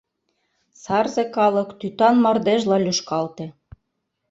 Сарзе калык тӱтан мардежла лӱшкалте.